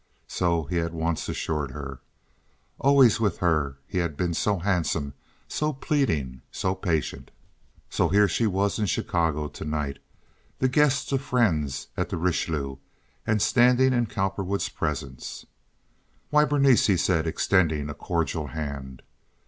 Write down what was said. So he had once assured her. Always with her he had been so handsome, so pleading, so patient. So here she was in Chicago to night, the guest of friends at the Richelieu, and standing in Cowperwood's presence. "Why, Berenice!" he said, extending a cordial hand.